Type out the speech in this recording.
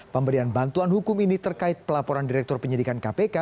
pemberian bantuan hukum ini terkait pelaporan direktur penyidikan kpk